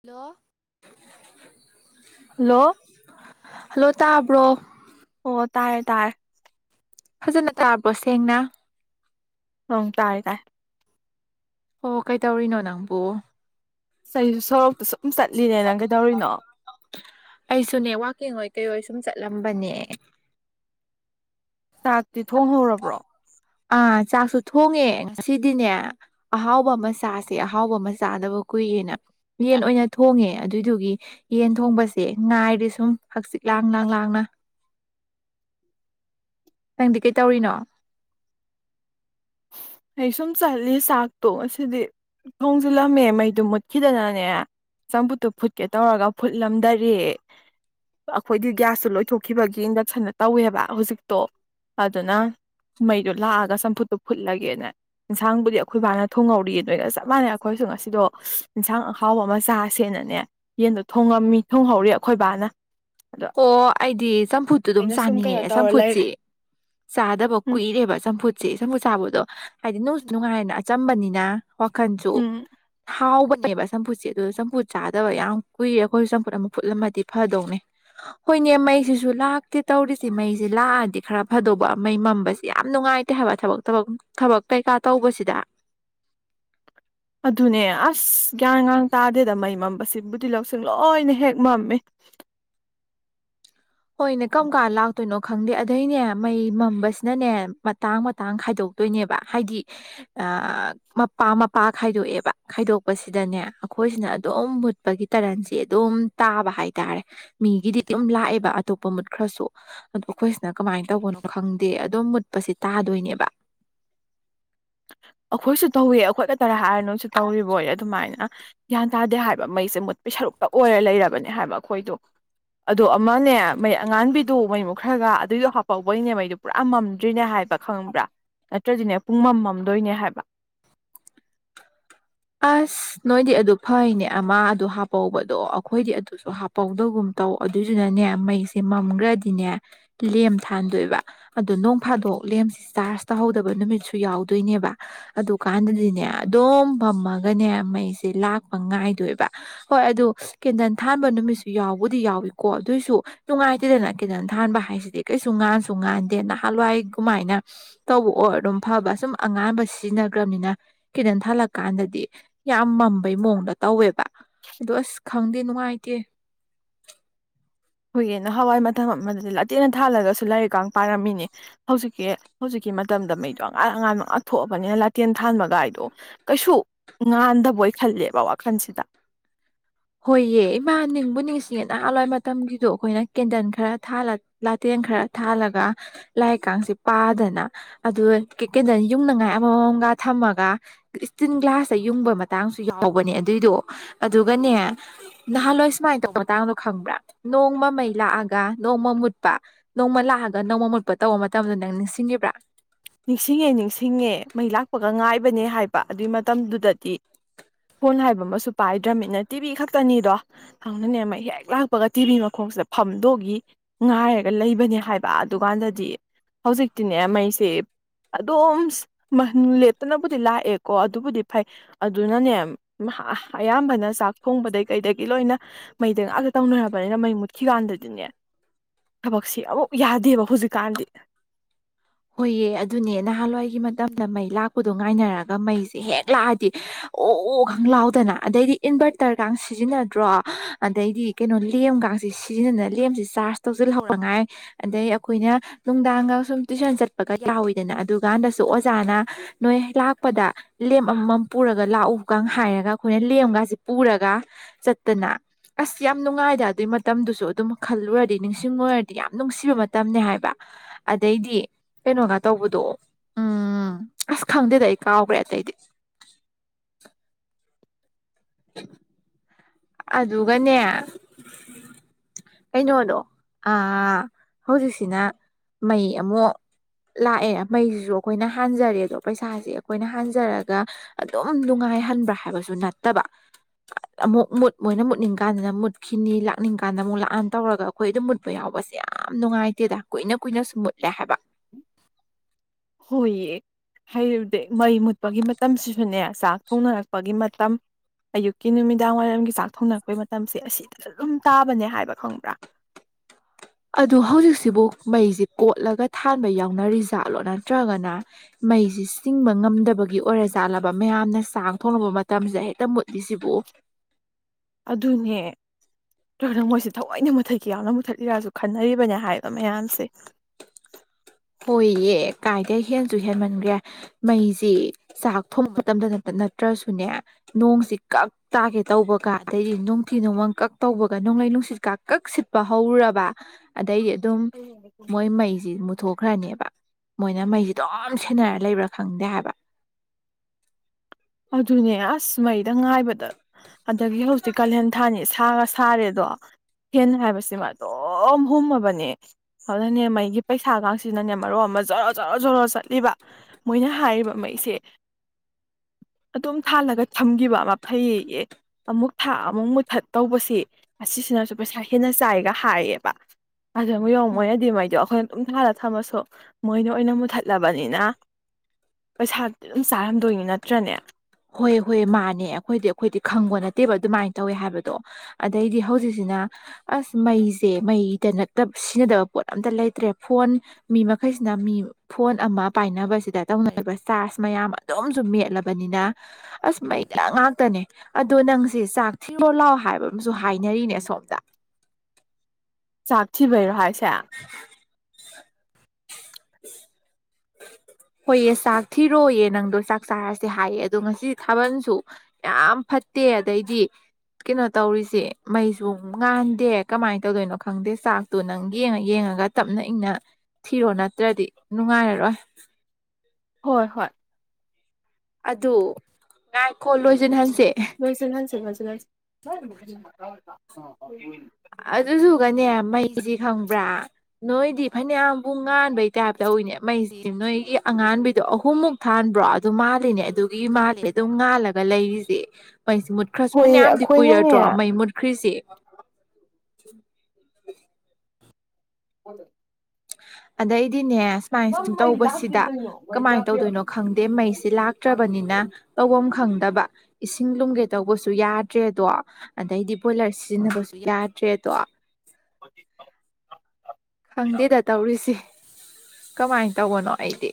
hello hello hello ꯇ ꯔꯣ ꯑꯣ ꯇꯥꯏꯔꯦ ꯇꯥꯏ ꯐꯖꯅ ꯇꯥꯕ꯭ꯔꯣ ꯁꯦꯡꯅ ꯑꯪ ꯇꯥꯔꯦ ꯀꯥꯏ ꯍꯣꯏ ꯀꯩ ꯇꯧꯔꯤꯅꯣ ꯅꯪꯕꯨ ꯁꯁꯨ ꯁꯣꯔꯣꯛꯇꯨ ꯁꯨꯝ ꯆꯠꯂꯤꯅꯦ ꯅꯪ ꯀꯩꯗꯧꯔꯤꯅꯣ ꯑꯩꯁꯨꯅꯦ ꯋꯥꯛꯀꯤꯡ ꯑꯣꯏ ꯀꯩ ꯑꯣꯏ ꯁꯨꯝ ꯆꯠꯂꯝꯕꯅꯦ ꯆꯥꯛꯇꯤ ꯊꯣꯡꯍꯧꯔꯕ꯭ꯔꯣ ꯑꯥ ꯆꯥꯛꯁꯨ ꯊꯣꯡꯉꯦ ꯉꯁꯤꯗꯤꯅꯦ ꯑꯍꯥꯎꯕ ꯑꯃ ꯆꯥꯁꯦ ꯑꯍꯥꯎꯕ ꯑꯃ ꯆꯥꯗꯕ ꯀꯨꯏꯔꯦꯅ ꯌꯦꯟ ꯑꯣꯏꯅ ꯊꯣꯡꯉꯦ ꯑꯗꯨꯏꯗꯨꯒꯤ ꯌꯦꯟ ꯊꯣꯡꯕꯁꯦ ꯉꯥꯏꯔꯦ ꯁꯨꯝ ꯍꯛꯆꯤꯛ ꯂꯥꯡꯅ ꯑꯩ ꯂꯥꯡꯅ ꯎꯝ ꯅꯪꯗꯤ ꯀꯩꯇꯧꯔꯤꯅꯣ ꯑꯩ ꯁꯨꯝ ꯆꯠꯂꯤ ꯆꯥꯛꯇꯣ ꯉꯁꯤꯗꯤ ꯊꯣꯡꯖꯤꯜꯂꯝꯃꯦ ꯃꯩꯗꯨ ꯃꯨꯠꯈꯤꯗꯅꯅꯦ ꯆꯝꯐꯨꯠꯇꯨ ꯐꯨꯠꯀꯦ ꯇꯧꯔꯒ ꯐꯨꯠꯂꯝꯗꯔꯦ ꯑꯩꯈꯣꯏꯗꯤ ꯒ꯭ꯌꯥꯁꯇꯨ ꯂꯣꯏꯊꯣꯛꯈꯤꯕꯒꯤ ꯏꯟꯗꯛꯁꯟꯗ ꯇꯧꯋꯦꯕ ꯍꯧꯖꯤꯛꯇꯣ ꯑꯗꯨꯅ ꯃꯩꯗꯣ ꯂꯥꯛꯑꯒ ꯆꯝꯐꯨꯠꯇꯨ ꯐꯨꯠꯂꯒꯦꯅ ꯏꯟꯁꯥꯡꯕꯨꯗꯤ ꯑꯩꯈꯣꯏ ꯕꯥꯅ ꯊꯣꯡꯍꯧꯔꯤ ꯅꯣꯏꯅ ꯆꯞ ꯃꯥꯟꯅꯩ ꯑꯩꯈꯣꯏꯁꯨ ꯉꯁꯤꯗꯣ ꯏꯟꯁꯥꯡ ꯑꯍꯥꯎꯕ ꯑꯃ ꯆꯥꯁꯦꯅꯅꯦ ꯌꯦꯟꯗꯣ ꯊꯣꯡꯉꯝꯃꯤ ꯊꯣꯡꯍꯧꯔꯤ ꯑꯩꯈꯣꯏ ꯕꯥꯅ ꯑꯗꯣ ꯑꯣ ꯑꯩꯗꯤ ꯆꯝꯐꯨꯠꯇꯨ ꯑꯗꯨꯝ ꯑꯩꯅ ꯁꯨꯝ ꯆꯥꯅꯤꯡꯉꯦ ꯀꯩꯅꯣ ꯇꯧꯔ ꯂꯩꯔꯦ ꯆꯝꯐꯨꯠꯁꯦ ꯆꯥꯗꯕ ꯎꯝ ꯀꯨꯏꯔꯦꯕ ꯆꯝꯐꯨꯠꯁꯦ ꯆꯝꯐꯨꯠ ꯆꯥꯕꯗꯣ ꯍꯥꯏꯗꯤ ꯅꯣꯏꯁꯨ ꯍꯥꯏꯔꯦꯗꯅ ꯑꯆꯝꯕꯅꯤꯅ ꯋꯥ ꯈꯟꯁꯨ ꯎꯝ ꯊꯥꯎ ꯆꯃꯦꯕ ꯆꯝꯐꯨꯠꯁꯦ ꯑꯗꯨ ꯆꯝꯐꯨꯠ ꯆꯥꯗꯕ ꯌꯥꯝ ꯀꯨꯏꯔꯦ ꯑꯩꯈꯣꯏꯁꯨ ꯆꯝꯐꯨꯠ ꯑꯃ ꯐꯨꯠꯂꯝꯃꯗꯤ ꯐꯗꯧꯅꯦ ꯍꯣꯏꯅꯦ ꯃꯩꯁꯤꯁꯨ ꯂꯥꯛꯇꯦ ꯇꯧꯔꯤꯁꯤ ꯃꯩꯁꯤ ꯂꯥꯛꯑꯗꯤ ꯈꯔ ꯐꯗꯧꯕ ꯃꯩ ꯃꯝꯕꯁꯤ ꯌꯥꯝ ꯅꯨꯡꯉꯥꯏꯇꯦ ꯍꯥꯏꯕ ꯊꯕꯛ ꯊꯕꯛ ꯀꯩꯀꯥ ꯇꯧꯕꯁꯤꯗ ꯑꯗꯨꯅꯦ ꯑꯁ ꯒ꯭ꯌꯥꯟꯒꯥꯡ ꯇꯥꯗꯦꯗ ꯃꯩ ꯃꯝꯕꯁꯤ ꯕꯨꯗꯤ ꯂꯧꯁꯤꯡ ꯂꯣꯏꯅ ꯍꯦꯛ ꯃꯝꯃꯤ ꯍꯣꯏꯅꯦ ꯀꯔꯝ ꯀꯥꯟ ꯂꯥꯛꯇꯣꯏꯅꯣ ꯈꯪꯗꯦ ꯑꯗꯩꯅꯦ ꯃꯩ ꯃꯝꯕꯁꯤꯅꯅꯦ ꯃꯇꯥꯡ ꯃꯇꯥꯡ ꯈꯥꯏꯗꯣꯛꯇꯣꯏꯅꯦꯕ ꯍꯥꯏꯗꯤ ꯃꯄꯥ ꯃꯄꯥ ꯈꯥꯏꯗꯣꯛꯑꯦꯕ ꯈꯥꯏꯗꯣꯛꯄꯁꯤꯗꯅꯦ ꯑꯩꯈꯣꯏꯁꯤꯅ ꯑꯗꯨꯝ ꯃꯨꯠꯄꯒꯤ ꯇꯔꯟꯁꯦ ꯑꯗꯨꯝ ꯇꯥꯕ ꯍꯥꯏꯇꯥꯔꯦ ꯃꯤꯒꯤꯗꯤ ꯑꯗꯨꯝ ꯂꯥꯛꯑꯦꯕ ꯑꯇꯣꯞꯄ ꯃꯨꯠꯈ꯭ꯔꯁꯨ ꯑꯗꯨ ꯑꯩꯈꯣꯏꯁꯤꯅ ꯀꯃꯥꯏꯅ ꯇꯧꯕꯅꯣ ꯈꯪꯗꯦ ꯑꯗꯨꯝ ꯃꯨꯠꯄꯁꯦ ꯇꯥꯗꯣꯏꯅꯦꯕ ꯑꯩꯈꯣꯏꯁꯨ ꯇꯧꯋꯤ ꯑꯩꯈꯣꯏ ꯇꯔ ꯍꯥꯏꯔ ꯅꯣꯏꯁꯨ ꯇꯧꯔꯤꯕ ꯑꯣꯏꯔꯦ ꯑꯗꯨꯃꯥꯏꯅ ꯒ꯭ꯌꯥꯟ ꯇꯥꯗꯦ ꯍꯥꯏꯕ ꯃꯩꯁꯦ ꯃꯨꯠꯄꯩ ꯁꯔꯨꯛꯇ ꯑꯣꯏꯔ ꯂꯩꯔꯕꯅꯦ ꯍꯥꯏꯕ ꯑꯩꯈꯣꯏꯗꯣ ꯑꯗꯨꯗꯣ ꯑꯃꯅꯦ ꯃꯩ ꯑꯉꯥꯟꯕꯤꯗꯨ ꯃꯩ ꯃꯨꯠꯈ꯭ꯔꯒ ꯑꯗꯨꯏꯒꯤ ꯍꯥꯞꯍꯧ ꯕꯩꯅꯦ ꯃꯩꯗꯨ ꯄꯨꯔꯥ ꯃꯝꯗ꯭ꯔꯤꯅꯦ ꯍꯥꯏꯕ ꯈꯪꯕ꯭ꯔꯥ ꯅꯠꯇ꯭ꯔꯗꯤꯅꯦ ꯄꯨꯡ ꯃꯝ ꯃꯝ ꯗꯣꯏꯅꯦ ꯍꯥꯏꯕ ꯑꯁ ꯅꯣꯏꯗꯤ ꯑꯗꯨ ꯐꯩꯅꯦ ꯑꯃ ꯑꯗꯨ ꯍꯥꯞꯄꯧꯕꯗꯣ ꯑꯩꯈꯣꯏꯗꯤ ꯑꯗꯨꯁꯨ ꯍꯥꯍꯧꯗꯒꯨꯝ ꯇꯧ ꯑꯗꯨꯏꯗꯨꯅꯅꯦ ꯃꯩꯁꯦ ꯃꯝꯈ꯭ꯔꯗꯤꯅꯦ ꯂꯦꯝ ꯊꯥꯟꯗꯣꯏꯕ ꯑꯗꯣ ꯅꯣꯡ ꯐꯥꯗꯣꯛ ꯂꯦꯝꯁꯤ ꯆꯥꯔꯖ ꯇꯧꯍꯧꯗꯕ ꯅꯨꯃꯤꯠꯁꯨ ꯌꯥꯎꯗꯣꯏꯅꯦꯕ ꯑꯗꯨꯀꯥꯟꯗꯗꯤꯅꯦ ꯑꯗꯨꯝ ꯃꯝꯃꯒꯅꯦ ꯃꯩꯁꯦ ꯂꯥꯛꯄ ꯉꯥꯏꯗꯣꯏꯕ ꯍꯣꯏ ꯑꯗꯨ ꯀꯦꯟꯗꯜ ꯊꯥꯟꯕ ꯅꯨꯃꯤꯠꯁꯨ ꯌꯥꯎꯕꯨꯗꯤ ꯌꯥꯎꯏꯀꯣ ꯑꯗꯨꯑꯣꯏꯁꯨ ꯅꯨꯡꯉꯥꯏꯇꯦꯗꯅ ꯀꯦꯟꯗꯟ ꯊꯥꯟꯕ ꯍꯥꯏꯁꯤꯗꯤ ꯀꯩꯁꯨ ꯉꯥꯟꯁꯨ ꯉꯥꯟꯗꯦ ꯅꯍꯥꯟꯋꯥꯏ ꯀꯃꯥꯏꯅ ꯇꯧꯕ ꯑꯣꯔ ꯑꯗꯨꯝ ꯐꯕ ꯁꯨꯝ ꯑꯉꯥꯟꯕ ꯁꯤꯖꯤꯟꯅꯈ꯭ꯔꯕꯅꯤꯅ ꯀꯦꯟꯗꯜ ꯊꯥꯜꯂꯛꯄ ꯀꯥꯟꯗꯗꯤ ꯌꯥꯝ ꯃꯝꯕꯩ ꯃꯑꯣꯡꯗ ꯇꯧꯋꯦꯕ ꯑꯗꯣ ꯑꯁ ꯈꯪꯗꯦ ꯅꯨꯡꯉꯥꯏꯇꯦ ꯑꯩꯈꯣꯏꯒꯤꯅ ꯍꯋꯥꯏ ꯃꯇꯝ ꯑꯃꯗꯗꯤ ꯂꯥꯇꯦꯜ ꯊꯥꯜꯂꯒꯁꯨ ꯂꯥꯏꯔꯤꯛꯀ ꯄꯥꯔꯝꯃꯤꯅꯦ ꯍꯧꯖꯤꯛꯀꯤ ꯍꯧꯖꯤꯛꯀꯤ ꯃꯇꯝꯗ ꯃꯩꯗꯣ ꯑꯉꯥꯡ ꯑꯉꯥꯟ ꯉꯥꯛꯊꯣꯛꯑꯕꯅꯤꯅ ꯂꯥꯇꯦꯟ ꯊꯥꯟꯕ ꯒꯥꯏꯗꯣ ꯀꯩꯁꯨ ꯉꯥꯟꯗꯕꯣꯏ ꯈꯜꯂꯦꯕ ꯋꯥꯈꯜꯁꯤꯗ ꯍꯣꯏꯌꯦ ꯏꯃꯥ ꯅꯤꯡꯕꯨ ꯅꯤꯡꯁꯤꯡꯉꯦ ꯅꯍꯥꯟꯋꯥꯏ ꯃꯇꯝꯒꯤꯗꯣ ꯑꯩꯈꯣꯏꯅ ꯀꯦꯟꯗꯜ ꯈꯔ ꯊꯜ ꯂꯥꯇꯦꯟ ꯈꯔ ꯊꯥꯜꯂꯒ ꯂꯥꯏꯛꯀꯁꯦ ꯄꯥꯗꯅ ꯑꯗꯨ ꯀꯦꯟꯗꯜ ꯌꯨꯡꯅꯉꯥꯏ ꯑꯃꯃꯝꯒ ꯊꯝꯃꯒ ꯏꯁꯇꯤꯟ ꯒ꯭ꯂꯥꯁꯇ ꯌꯨꯡꯕꯒꯤ ꯃꯇꯥꯡꯁꯨ ꯌꯥꯎꯕꯅꯦ ꯑꯗꯨꯏꯗꯣ ꯑꯗꯨꯒꯅꯦ ꯅꯍꯥꯟꯋꯥ ꯁꯨꯃꯥꯏꯅ ꯇꯧꯕ ꯃꯇꯥꯡꯗꯣ ꯈꯪꯕ꯭ꯔꯥ ꯅꯣꯡꯃ ꯃꯩ ꯂꯥꯛꯑꯒ ꯅꯣꯡꯃ ꯃꯨꯠꯄ ꯅꯣꯡꯃ ꯂꯥꯛꯑꯒ ꯅꯣꯡꯃ ꯃꯨꯠꯄ ꯇꯧꯕ ꯃꯇꯝꯗ ꯅꯪ ꯅꯤꯡꯁꯤꯡꯉꯤꯕ꯭ꯔꯥ ꯅꯤꯡꯁꯤꯡꯉꯦ ꯅꯤꯡꯁꯤꯡꯉꯦ ꯃꯩ ꯂꯥꯛꯄꯒ ꯉꯥꯏꯕꯅꯦ ꯍꯥꯏꯕ ꯑꯗꯨꯏ ꯃꯇꯝꯗꯨꯗꯗꯤ ꯐꯣꯟ ꯍꯥꯏꯕ ꯑꯃꯁꯨ ꯄꯥꯏꯗ꯭ꯔꯃꯤꯅ ꯇꯤꯚꯤ ꯈꯛꯇꯅꯤꯗꯣ ꯈꯪꯅꯅꯦ ꯃꯩ ꯍꯦꯛ ꯂꯥꯛꯄꯒ ꯇꯤꯚꯤ ꯃꯈꯣꯡꯁꯦ ꯐꯝꯗꯣꯛꯒꯤ ꯉꯥꯏꯔꯒ ꯂꯩꯕꯅꯦ ꯍꯥꯏꯕ ꯑꯗꯨꯀꯥꯟꯗꯗꯤ ꯍꯧꯖꯤꯛꯇꯤꯅꯦ ꯃꯩꯁꯦ ꯑꯗꯨꯝ ꯂꯦꯞꯇꯅꯕꯨꯗꯤ ꯂꯥꯛꯑꯦꯀꯣ ꯑꯗꯨꯕꯨꯗꯤ ꯐꯩ ꯑꯗꯨꯅꯅꯦ ꯑꯌꯥꯝꯕꯅ ꯆꯥꯛ ꯊꯣꯡꯕꯗꯒꯤꯩ ꯀꯩꯗꯒꯤ ꯂꯣꯏꯅ ꯃꯩꯗ ꯉꯥꯛꯇ ꯇꯧꯅꯔꯕꯅꯤꯅ ꯃꯩ ꯃꯨꯠꯈꯤꯀꯥꯟꯗꯗꯤꯅꯦ ꯊꯕꯛꯁꯤ ꯑꯃꯨꯛ ꯌꯥꯗꯦꯕ ꯍꯧꯖꯤꯛꯀꯥꯟꯗꯤ ꯍꯣꯏꯌꯦ ꯑꯗꯨꯅꯦ ꯅꯍꯥꯟꯋꯥꯏꯒꯤ ꯃꯇꯝꯗ ꯃꯩ ꯂꯥꯛꯄꯗꯣ ꯉꯥꯏꯅꯔꯒ ꯃꯩꯁꯦ ꯍꯦꯛ ꯂꯥꯛꯑꯗꯤ ꯑꯣ ꯈ ꯂꯥꯎꯗꯅ ꯑꯗꯩꯗꯤ ꯏꯟꯚꯔꯇꯔꯒ ꯁꯤꯖꯤꯟꯅꯗ꯭ꯔꯣ ꯑꯗꯩꯗꯤ ꯀꯩꯅꯣ ꯂꯦꯝꯒꯁꯤ ꯁꯤꯖꯤꯟꯅꯗꯅ ꯂꯦꯝꯁꯦ ꯆꯥꯔꯖ ꯇꯧꯁꯤꯜꯍꯧꯅꯉꯥꯏ ꯑꯗꯩ ꯑꯩꯈꯣꯏꯅ ꯅꯨꯡꯗꯥꯡꯒ ꯁꯨꯝ ꯇꯨꯏꯁꯟ ꯆꯠꯄꯒ ꯌꯥꯎꯋꯤꯗꯅ ꯑꯗꯨꯀꯥꯟꯗꯁꯨ ꯑꯣꯖꯥꯅ ꯅꯣꯏ ꯂꯥꯛꯄꯗ ꯂꯦꯝ ꯑꯃꯃꯝ ꯄꯨꯔꯒ ꯂꯥꯛꯎꯒ ꯍꯥꯏꯔꯒ ꯑꯩꯈꯣꯏꯅ ꯂꯦꯝꯒꯁꯤ ꯄꯨꯔꯒ ꯆꯠꯇꯅ ꯑꯁ ꯌꯥꯝ ꯅꯨꯡꯉꯥꯏꯗ ꯑꯗꯨꯒꯤ ꯃꯇꯝꯗꯨꯁꯨ ꯑꯗꯨꯝ ꯈꯜꯂꯨꯔꯗꯤ ꯅꯤꯡꯁꯤꯡꯉꯨꯔꯗꯤ ꯌꯥꯝ ꯅꯨꯡꯁꯤꯕ ꯃꯇꯝꯅꯦ ꯍꯥꯏꯕ ꯑꯗꯩꯗꯤ ꯀꯩꯅꯣꯒ ꯇꯧꯕꯗꯣ ꯎꯝ ꯑꯁ ꯈꯪꯗꯦꯗ ꯑꯩ ꯀꯥꯎꯈ꯭ꯔꯦ ꯑꯇꯩꯗꯤ [inaudible] ꯑꯗꯨꯒꯅꯦ ꯀꯩꯅꯣꯗꯣ ꯑ ꯍꯧꯖꯤꯛꯁꯤꯅ ꯃꯩ ꯑꯃꯨꯛ ꯂꯥꯛꯑꯦ ꯃꯩꯁꯤꯁꯨ ꯑꯩꯈꯣꯏꯅ ꯍꯥꯟꯖꯔꯦꯗꯣ ꯄꯩꯁꯥꯁꯦ ꯑꯩꯈꯣꯏꯅ ꯍꯥꯟꯖꯔꯒ ꯑꯗꯨꯝ ꯅꯨꯡꯉꯥꯏꯍꯟꯕ꯭ꯔꯥ ꯍꯥꯏꯕꯁꯨ ꯅꯠꯇꯕ ꯑꯃꯨꯛ ꯃꯨꯠ ꯃꯣꯏꯅ ꯃꯨꯠꯅꯤꯡꯀꯥꯟꯗꯅ ꯃꯨꯠꯈꯤꯅꯤ ꯂꯥꯛꯅꯤꯡꯀꯥꯟꯗ ꯑꯃꯨꯛ ꯂꯥꯛ ꯑꯅ ꯇꯧꯔꯒ ꯑꯩꯈꯣꯏ ꯑꯗꯨꯝ ꯃꯨꯠꯄ ꯌꯥꯎꯕꯁꯦ ꯌꯥꯝ ꯅꯨꯡꯉꯥꯏꯇꯦꯗ ꯀꯨꯏꯅ ꯀꯨꯏꯅꯁꯨ ꯃꯨꯠꯂꯦ ꯍꯥꯏꯕ ꯍꯩꯔꯨꯗꯤ ꯃꯩ ꯃꯨꯠꯄꯒꯤ ꯃꯇꯝꯁꯤꯁꯨꯅꯦ ꯆꯥꯛ ꯊꯣꯡꯅꯔꯛꯄꯒꯤ ꯃꯇꯝ ꯑꯌꯨꯛꯀꯤ ꯅꯨꯃꯤꯗꯥꯡ ꯋꯥꯏꯔꯝꯒꯤ ꯆꯥꯛ ꯊꯣꯡꯅꯔꯛꯄꯩ ꯃꯇꯝꯁꯦ ꯑꯁꯤꯗꯁꯨ ꯑꯗꯨꯝ ꯇꯥꯕꯅꯦ ꯍꯥꯏꯕ ꯈꯪꯕ꯭ꯔꯥ ꯑꯗꯨ ꯍꯧꯖꯤꯛꯁꯤꯕꯨ ꯃꯩꯁꯤ ꯀꯣꯠꯂꯒ ꯊꯥꯟꯕ ꯌꯥꯎꯅꯔꯤ ꯖꯥꯠꯂꯣ ꯅꯠꯇ꯭ꯔꯒꯅ ꯃꯩꯁꯤ ꯆꯤꯡꯕ ꯉꯝꯗꯕꯒꯤ ꯑꯣꯏꯔꯖꯥꯠꯂꯕ ꯃꯌꯥꯝꯅ ꯆꯥꯛ ꯊꯣꯡꯅꯕ ꯃꯇꯝꯁꯤꯗ ꯍꯦꯛꯇ ꯃꯨꯠꯂꯤꯁꯤꯕꯨ ꯑꯗꯨꯅꯦ ꯑꯗꯨꯅ ꯃꯣꯏꯁꯦ ꯊꯧꯑꯣꯏꯅ ꯃꯨꯊꯠꯀꯦ ꯌꯥꯎꯅ ꯃꯨꯊꯠꯂꯤꯔꯁꯨ ꯈꯟꯅꯔꯤꯕꯅꯦ ꯍꯥꯏꯕ ꯃꯌꯥꯝꯁꯦ ꯍꯣꯏꯌꯦ ꯀꯥꯏꯗꯒꯤꯩ ꯍꯦꯟꯁꯨ ꯍꯦꯟꯃꯟꯈ꯭ꯔꯦ ꯃꯩꯁꯤ ꯆꯥꯛ ꯊꯣꯡꯕ ꯃꯇꯝꯗ ꯅꯠꯇ꯭ꯔꯁꯨꯅꯦ ꯅꯣꯡꯁꯤ ꯀꯛ ꯇꯥꯒꯦ ꯇꯧꯕꯒ ꯑꯗꯩꯗꯤ ꯅꯨꯡꯊꯤ ꯅꯨꯡꯃꯪ ꯀꯛ ꯇꯧꯕꯒ ꯅꯣꯡꯂꯩ ꯅꯨꯡꯁꯤꯠꯀ ꯀꯛ ꯁꯤꯠ ꯄ ꯍꯧꯔꯨꯔꯕ ꯑꯗꯩꯗꯤ ꯑꯗꯨꯝ ꯃꯣꯏ ꯃꯩꯁꯤ ꯃꯨ ꯈ꯭ꯔꯅꯦꯕ ꯃꯣꯏꯅ ꯃꯩꯁꯤ ꯑꯗꯨꯝ ꯁꯦꯟꯅꯔ ꯂꯩꯕ꯭ꯔꯥ ꯈꯪꯗꯦ ꯍꯥꯏꯕ ꯑꯗꯨꯅꯦ ꯑꯁ ꯃꯩꯗ ꯉꯥꯏꯕꯗ ꯑꯗꯒꯤ ꯍꯧꯖꯤꯛ ꯀꯥꯂꯦꯟ ꯊꯥꯅꯤ ꯁꯥꯒ ꯁꯥꯔꯦꯗꯣ ꯍꯦ ꯍꯥꯏꯕꯁꯤꯃ ꯑꯗꯨꯝ ꯍꯨꯝꯃꯕꯅꯦ ꯑꯗꯨꯅꯅꯦ ꯃꯩꯒꯤ ꯄꯩꯁꯥꯒꯁꯤꯅꯅꯦ ꯃꯔꯨꯞ ꯑꯃ ꯖꯣꯔꯣ ꯖꯣꯔꯣ ꯖꯣꯔꯣ ꯆꯠꯂꯤꯕ ꯃꯣꯏꯅ ꯍꯥꯏꯔꯤꯕ ꯃꯩꯁꯦ ꯑꯗꯨꯝ ꯊꯥꯜꯂꯒ ꯊꯝꯈꯤꯕ ꯐꯩ ꯑꯃꯨꯛ ꯊꯥꯛ ꯑꯃꯨꯛ ꯃꯨꯊꯠ ꯇꯧꯕꯁꯤꯦ ꯑꯁꯤꯁꯤꯅꯁꯨ ꯄꯩꯁꯥ ꯍꯦꯟꯅ ꯆꯥꯏꯒ ꯍꯥꯏꯦꯕ ꯑꯗ ꯑꯃꯨꯛ ꯌꯦꯧꯝꯣꯏ ꯑꯗꯨꯃꯥꯏꯗꯤ ꯑꯩꯈꯣꯏ ꯑꯗꯨꯝ ꯥꯜꯂ ꯊꯝꯃꯁꯨ ꯃꯣꯏꯗ ꯑꯣꯏꯅ ꯃꯨꯊꯠꯂꯕꯅꯤꯅ ꯄꯩꯁꯥꯗꯤ ꯑꯗꯨꯝ ꯆꯥꯔꯝꯗꯣꯏꯅꯤꯅ ꯆꯅ ꯍꯣꯏ ꯍꯣꯏ ꯃꯥꯅꯦ ꯑꯩꯈꯣꯏꯗꯤ ꯑꯩꯈꯣꯏꯗꯤ ꯈꯪꯕꯣ ꯅꯠꯇꯦꯕ ꯑꯗꯨꯃꯥꯏꯅ ꯇꯧꯋꯦ ꯍꯥꯏꯕꯗꯣ ꯑꯗꯩꯗꯤ ꯍꯧꯖꯤꯛꯁꯤꯅ ꯑꯁ ꯃꯩꯁꯦ ꯃꯩꯗ ꯅ ꯁꯤꯖꯤꯟꯅꯗꯕ ꯄꯣꯠ ꯑꯝꯇ ꯂꯩꯇ꯭ꯔꯦ ꯐꯣꯟ ꯃꯤ ꯃꯈꯩꯁꯤꯅ ꯃꯤ ꯐꯣꯟ ꯑꯃ ꯄꯥꯏꯅꯕꯁꯤꯗ ꯇꯧꯅꯔꯤꯕ ꯆꯥꯔꯖ ꯃꯌꯥꯝ ꯑꯗꯨꯝꯁꯨ ꯃꯦꯠꯂꯕꯅꯤꯅ ꯑꯁ ꯃꯩ ꯂꯥꯡ ꯉꯥꯛꯇꯅꯦ ꯑꯗꯣ ꯅꯪꯁꯦ ꯆꯥꯛ ꯊꯤꯔꯣ ꯂꯥꯎ ꯍꯥꯏꯕ ꯑꯃꯁꯨ ꯍꯥꯏꯅꯔꯤꯅꯦ ꯑꯁꯣꯝꯗ ꯆꯥꯛꯊꯤꯕꯩꯔꯣ ꯍꯥꯏꯁꯦ ꯆ ꯍꯣꯏꯌꯦ ꯆꯥꯛ ꯊꯤꯔꯣꯌꯦ ꯅꯪꯗꯣ ꯆꯥꯛ ꯥꯛ ꯆꯥꯔꯁꯦ ꯍꯥꯏꯌꯦ ꯑꯗꯣ ꯉꯁꯤ ꯊꯥꯕꯜꯁꯨ ꯌꯥꯝ ꯐꯠꯇꯦ ꯑꯗꯩꯗꯤ ꯀꯩꯅꯣ ꯇꯧꯔꯤꯁꯦ ꯃꯩꯁꯨ ꯉꯥꯟꯗꯦ ꯀꯃꯥꯏꯅ ꯇꯧꯗꯣꯏꯅꯣ ꯈꯪꯗꯦ ꯆꯥꯛꯇꯣ ꯅꯪ ꯌꯦꯡꯉ ꯌꯦꯡꯉꯒ ꯇꯞꯅ ꯏꯪꯅ ꯊꯤꯔꯣ ꯅꯠꯇ꯭ꯔꯗꯤ ꯅꯨꯡꯉꯥꯏꯔꯔꯣꯏ ꯍꯣꯏ ꯍꯣꯏ ꯑꯗꯨ ꯉꯥꯏꯈꯣ ꯂꯣꯏꯁꯤꯅ ꯍꯟ ꯣꯏꯁꯦ ꯅꯥꯟꯁꯦꯖꯒ [unintelligible] ꯑꯗꯨꯒꯅꯦ ꯃꯩꯁꯤ ꯈꯪꯕ꯭ꯔꯥ ꯅꯣꯏꯗꯤ ꯐꯅꯌꯥꯝꯕꯨ ꯉꯥꯟꯕꯩ ꯇꯥꯏꯞ ꯇꯧꯋꯤꯅꯦ ꯃꯩꯁꯤ ꯅꯣꯏꯒꯤ ꯑꯉꯥꯟꯕꯗꯣ ꯑꯍꯨꯝꯃꯨꯛ ꯊꯥꯟꯕ꯭ꯔꯣ ꯑꯗꯨ ꯃꯥꯜꯂꯤꯅꯦ ꯑꯗꯨꯒꯤ ꯃꯥꯜꯂꯤ ꯑꯗꯨꯝ ꯉꯥꯜꯂꯒ ꯂꯩꯔꯤꯁꯦ ꯃꯩꯁꯤ ꯃꯨꯠꯈ꯭ꯔꯁꯨ ꯍꯣꯏꯌꯦ ꯐꯅꯌꯥꯝꯗꯤ ꯑꯩꯈꯣꯏꯅꯅꯦ ꯀꯨꯏꯔꯗ꯭ꯔꯣ ꯃꯩ ꯃꯨꯠꯈ꯭ꯔꯤꯁꯤ ꯑꯣ [unintelligible] ꯑꯗ ꯑꯗꯥꯏ ꯁꯤꯅꯦ ꯁꯨꯃꯥꯏ ꯁꯨꯝ ꯇꯧꯕꯁꯤꯗ ꯀꯃꯥꯏꯅ ꯇꯧꯗꯣꯏꯅꯣ ꯈꯪꯗꯦ ꯃꯩꯁꯤꯦ ꯂꯥꯛꯇ꯭ꯔꯕꯅꯤꯅ ꯇꯧꯕ ꯈꯪꯗꯦ ꯠꯇꯕ ꯏꯁꯤꯡ ꯂꯨꯝꯒꯦ ꯇꯧꯕꯁꯨ ꯌꯥꯗ꯭ꯔꯦꯗꯣ ꯑꯗꯩꯗꯤ ꯕꯣꯏꯂꯔ ꯁꯤꯖꯤꯟꯅꯕꯁꯨ ꯌꯥꯗ꯭ꯔꯦꯗꯣ ꯍꯧ ꯍꯪꯗꯦꯗ ꯇꯧꯔꯤꯁꯤ ꯀꯃꯥꯏꯅ ꯇꯧꯕꯅꯣ ꯑꯩꯗꯤ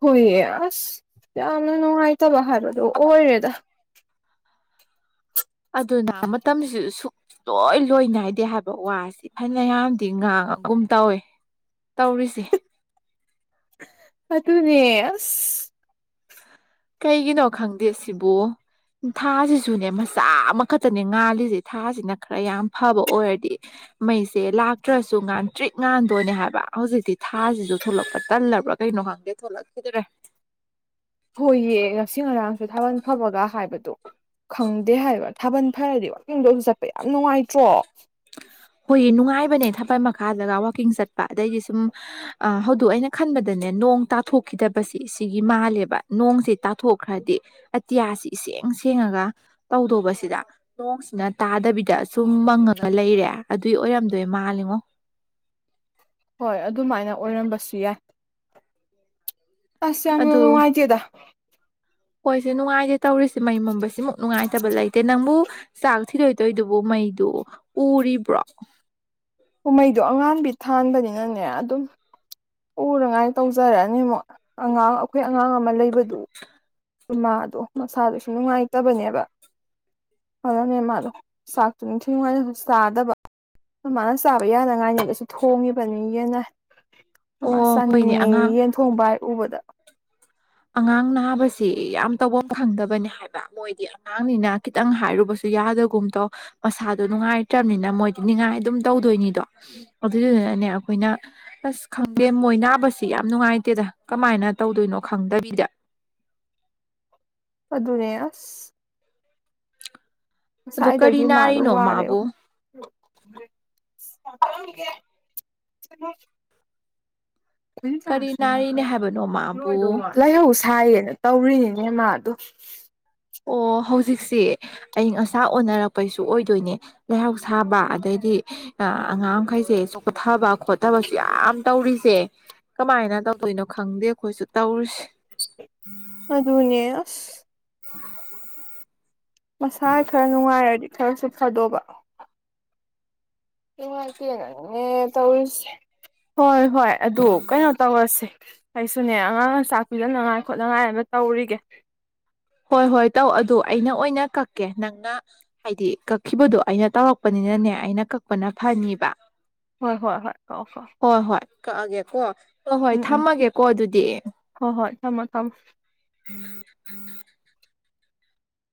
ꯍꯨꯏꯌꯦ ꯑꯁ ꯌꯥꯝꯅ ꯅꯨꯡꯉꯥꯏꯇꯕ ꯍꯥꯏꯕꯗꯣ ꯑꯣꯏꯔꯦꯗ ꯑꯗꯨꯅ ꯃꯇꯝꯁꯤꯁꯨ ꯁꯨꯛ ꯂꯣꯏ ꯂꯣꯏ ꯅꯥꯏꯗꯦ ꯍꯥꯏꯕ ꯋꯥꯁꯦ ꯐꯅꯌꯥꯝꯗꯤ ꯉꯥꯡꯉꯒꯨꯝ ꯇꯧꯏꯦ ꯇꯧꯔꯤꯁꯦ ꯑꯗꯨ ꯑꯗꯨꯅꯦ ꯑꯁ ꯀꯩꯒꯤꯅꯣ ꯈꯪꯗꯦ ꯁꯤꯕꯨ ꯊꯥꯁꯤꯁꯨ ꯁꯨꯅꯦ ꯃꯆꯥ ꯑꯃ ꯈꯛꯇꯅꯦ ꯉꯥꯜꯂꯤꯁꯦ ꯊꯥꯁꯤꯅ ꯈꯔ ꯌꯥꯝ ꯐꯕ ꯑꯣꯏꯔꯗꯤ ꯃꯩꯁꯦ ꯂꯥꯛꯇ꯭ꯔꯁꯨ ꯉꯥꯟ ꯇ꯭ꯔꯤꯠ ꯉꯥꯟꯗꯣꯏꯅꯦ ꯍꯥꯏꯕ ꯍꯧꯖꯤꯛꯇꯤ ꯊꯥꯁꯤꯁꯨ ꯊꯣꯂꯛꯄ ꯇꯜꯂꯕ꯭ꯔꯥ ꯀꯩꯅꯣ ꯍꯪꯒꯦ ꯊꯣꯛꯂꯛꯈꯤꯗ꯭ꯔꯦ ꯍꯣꯏꯌꯦꯒ ꯏꯁꯤꯡ ꯑꯔꯥꯡꯁꯦ ꯊꯥꯕꯜ ꯐꯕꯒ ꯍꯥꯏꯕꯗꯣ ꯈꯪꯗꯦ ꯍꯥꯏꯕ ꯊꯥꯕꯜ ꯐꯔꯗꯤ ꯋꯥꯛꯀꯤꯡꯗꯁꯨ ꯆꯠꯄ ꯌꯥꯝ ꯅꯨꯡꯉꯥꯏꯇ꯭ꯔꯣ ꯍꯣꯏ ꯅꯨꯡꯉꯥꯏꯕꯅꯦ ꯊꯕꯜ ꯃꯈꯥꯗꯒ ꯋꯥꯛꯀꯤꯡ ꯆꯠꯄ ꯑꯗꯩꯗꯤ ꯁꯨꯝ ꯍꯧꯗꯛ ꯑꯩꯅ ꯈꯟꯕꯗꯅꯦ ꯅꯣꯡ ꯇꯥꯊꯣꯛꯈꯤꯗꯕꯁꯤ ꯁꯤꯒꯤ ꯃꯥꯜꯂꯦꯕ ꯅꯣꯡꯁꯤꯦ ꯇꯥꯊꯣꯛꯈ꯭ꯔꯗꯤ ꯑꯇꯤꯌꯥꯁꯤ ꯏꯁꯦꯡ ꯁꯦꯡꯉꯒ ꯇꯧꯗꯧꯕꯁꯤꯗ ꯅꯣꯡꯁꯤꯅ ꯇꯥꯗꯕꯤꯗ ꯁꯨꯝ ꯃꯪꯉ ꯈ ꯂꯩꯔꯦ ꯑꯗꯨꯏ ꯑꯣꯏꯔꯝꯗꯣꯏ ꯃꯥꯜꯂꯤꯉꯣ ꯍꯣꯏ ꯑꯗꯨꯃꯥꯏꯅ ꯑꯣꯏꯔꯝꯕꯁꯨ ꯌꯥꯏ ꯑꯁ ꯌꯥꯝꯉꯥꯏꯇꯤꯦꯗ ꯀꯣꯏꯁꯅꯨꯡꯉꯥꯏ ꯇꯧꯔꯤꯁꯤ ꯃꯩ ꯃꯝꯕꯁꯤꯃꯨꯛ ꯅꯨꯡꯉꯥꯏꯇꯕ ꯂꯩꯇꯦ ꯅꯪꯕꯨ ꯆꯥꯛ ꯊꯤꯗꯣꯏꯗꯣꯏꯗꯨꯕꯨ ꯃꯩꯗꯨ ꯎꯔꯤꯕ꯭ꯔꯣ ꯀꯨꯝꯍꯩꯗꯣ ꯑꯉꯥꯡꯕꯤ ꯊꯥꯟꯕꯅꯤꯅꯅꯦ ꯑꯗꯨꯝ ꯎꯅꯉꯥꯏꯅ ꯇꯧꯖꯔꯛꯑꯅꯤꯕꯨꯛ ꯑꯉꯥꯡ ꯑꯩꯈꯣꯏ ꯑꯉꯥꯡ ꯑꯃ ꯂꯩꯕꯗꯨ ꯃꯥꯗꯣ ꯃꯁꯥꯗꯁꯨ ꯅꯨꯡꯉꯥꯏꯇꯕꯅꯦꯕ ꯑꯗꯨꯅꯦ ꯃꯥꯗꯣ ꯆꯥꯛꯇꯨ ꯅꯤꯡꯊꯤ ꯅꯨꯡꯉꯥꯏꯅꯁꯨ ꯆꯥꯗꯕ ꯑꯗꯨ ꯃꯥꯅ ꯆꯥꯕ ꯌꯥꯅꯉꯥꯏꯅꯤꯗꯁꯨ ꯊꯣꯡꯉꯤꯕꯅꯤꯅ ꯑꯣ ꯁꯥꯅꯤ ꯍꯣꯏꯅꯦ ꯑꯉꯥꯡ ꯌꯦꯟ ꯊꯣꯡꯕ ꯑꯣꯕꯗ ꯑꯉꯥꯡ ꯅꯥꯕꯁꯤ ꯌꯥꯝ ꯇꯐꯝ ꯈꯪꯗꯕꯅꯦ ꯍꯥꯏꯕ ꯃꯣꯏꯗꯤ ꯑꯉꯥꯡꯅꯤꯅ ꯈꯤꯇꯪ ꯍꯥꯏꯔꯨꯕꯁꯨ ꯌꯥꯗꯒꯨꯝ ꯇꯧ ꯃꯁꯥꯗꯣ ꯅꯨꯡꯉꯥꯏꯇ꯭ꯔꯕꯅꯤꯅ ꯃꯣꯏꯗꯤ ꯅꯤꯡꯉꯥꯏ ꯑꯗꯨꯝ ꯇꯧꯗꯣꯏꯅꯤꯗꯣ ꯑꯗꯨꯗꯨꯅꯅꯦ ꯑꯩꯈꯣꯏꯅ ꯑꯁ ꯈꯪꯗꯦ ꯃꯣꯏ ꯅꯥꯕꯁꯤ ꯌꯥꯝ ꯅꯨꯡꯉꯥꯏꯇꯦꯗ ꯀꯃꯥꯏꯅ ꯇꯧꯗꯣꯏꯅꯣ ꯈꯪꯗꯕꯤꯗ ꯑꯗꯨꯅꯦ ꯑꯁ ꯑꯗꯨ ꯀꯔꯤ ꯉꯁꯥꯏꯗꯒꯤ ꯃꯥꯗꯣ ꯅꯥꯔꯤꯅꯣ ꯋꯥꯔꯦ ꯃꯥꯕꯨ ꯊꯣꯛꯃꯒꯤꯒꯦ ꯀꯔꯤ ꯅꯥꯔꯤꯅꯦ ꯍꯥꯏꯕꯅꯣ ꯃꯥꯕꯨ [inaudible] ꯂꯥꯏꯍꯧ ꯁꯥꯏꯌꯦꯅ ꯇꯧꯔꯤꯅꯤ ꯍꯅꯦ ꯃꯥ ꯑꯗꯨꯗꯨ ꯑꯣ ꯍꯧꯖꯤꯛꯁꯦ ꯑꯌꯪ ꯑꯁꯥ ꯑꯣꯟꯅꯔꯛꯄꯩꯁꯨ ꯑꯣꯏꯗꯣꯏꯅꯦ ꯂꯩꯍꯥꯎ ꯁꯥꯕ ꯑꯗꯩꯗꯤ ꯑꯉꯥꯡ ꯃꯈꯈꯩꯁꯦ ꯆꯣꯛꯈꯊꯕ ꯈꯣꯊꯕꯁꯨ ꯌꯥꯝ ꯇꯧꯔꯤꯁꯦ ꯀꯃꯥꯏꯅ ꯇꯧꯗꯣꯏꯅꯣ ꯈꯪꯗꯦ ꯑꯩꯈꯣꯏꯁꯨ ꯇꯧꯔꯤꯁꯦ ꯑꯗꯨ ꯑꯗꯨꯅꯦꯁ ꯎꯝ ꯃꯁꯥ ꯈꯔ ꯅꯨꯡꯉꯥꯏꯔꯗꯤ ꯈꯔꯁꯨ ꯐꯗꯧꯕ ꯏꯃ ꯀꯦ ꯅꯅꯦ ꯇꯧꯁꯤ ꯍꯣꯏ ꯍꯣꯏ ꯑꯗꯨ ꯀꯩꯅꯣ ꯇꯧꯔꯁꯦ ꯑꯩꯁꯨꯅꯦ ꯑꯉꯥꯡ ꯆꯥꯛ ꯄꯤꯖꯅꯉꯥꯏ ꯈꯣꯠꯅꯉꯥꯏ ꯑꯃ ꯇꯧꯔꯤꯒꯦ ꯍꯣꯏ ꯍꯣꯏ ꯇꯧ ꯑꯗꯨ ꯑꯩꯅ ꯑꯣꯏꯅ ꯀꯛꯀꯦ ꯅꯪꯅ ꯍꯥꯏꯗꯤ ꯀꯛꯈꯤꯕꯗꯣ ꯑꯩꯅ ꯇꯧꯔꯛꯄꯅꯤꯅꯅꯦ ꯑꯩꯅ ꯀꯛꯄꯅ ꯐꯅꯤꯕ ꯍꯣꯏ ꯍꯣꯏ ꯍꯣꯏ ꯀꯥꯎ ꯀꯣ ꯍꯣꯏ ꯍꯣꯏ ꯀꯛꯑꯒꯦꯀꯣ ꯑ ꯍꯣꯏ ꯊꯝꯃꯒꯦꯀꯣ ꯑꯗꯨꯗꯤ ꯐ ꯍꯣꯏ ꯍꯣꯏ ꯊꯝꯃꯣ ꯊꯝꯃꯣ ꯐ